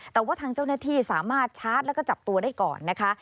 แต่ว่าทางเจ้าหน้าที่สามารถชาร์จแล้วก็จับตัวได้ก่อนนะคะ